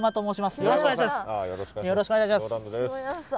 よろしくお願いします。